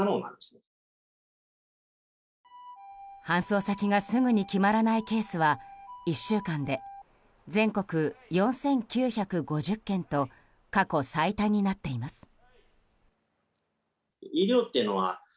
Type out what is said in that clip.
搬送先がすぐに決まらないケースは１週間で全国４９５０件と過去最多になっています。